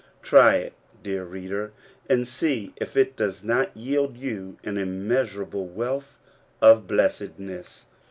Try dear reader, and see if it does not yield you ^ immeasurable wealth of blessedness